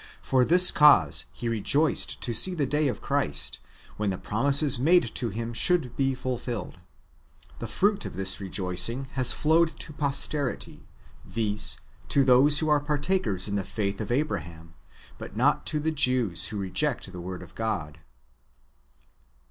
For this cause, he rejoiced to see the day of Christ, when the promises made to him should he fulfilled. The fruit of this rejoicing has flowed to posterity, viz. to those loho are partakers in the faith of Abraham, hut 7iot to the Jews ivho reject the Word of God, 1.